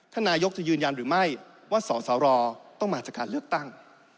นายกจะยืนยันหรือไม่ว่าสสรต้องมาจากการเลือกตั้ง